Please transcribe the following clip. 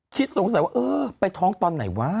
สงสัยว่าเออไปท้องตอนไหนวะ